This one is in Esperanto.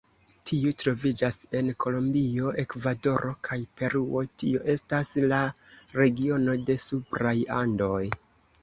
Tiu troviĝas en Kolombio, Ekvadoro kaj Peruo, tio estas la regiono de supraj Andoj.